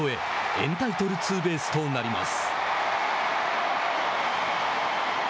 エンタイトルツーベースとなります。